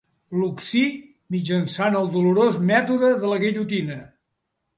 L'occí mitjançant el dolorós mètode de la guillotina.